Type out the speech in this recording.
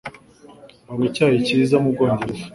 Banywa icyayi cyiza mubwongereza.